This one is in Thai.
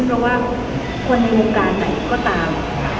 เพราะว่าคนในวงการไหนก็ตาม